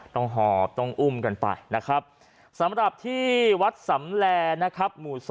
ต้องหอบต้องอุ้มกันไปสำหรับที่วัดสำแลร์นะครับ